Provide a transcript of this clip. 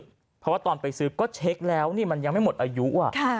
เพราะว่าตอนไปซื้อก็เช็คแล้วนี่มันยังไม่หมดอายุ